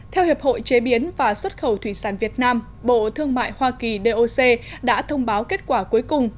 theo hiệp hội chế biến và xuất khẩu thủy sản việt nam bộ thương mại hoa kỳ doc đã thông báo kết quả cuối cùng